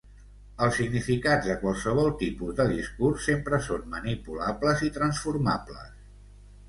Els significats de qualsevol tipus de discurs sempre són manipulables i transformables.